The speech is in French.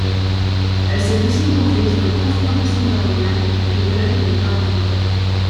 Elle s'est aussi penchée sur la transplantation d'organes, le deuil ou le pardon.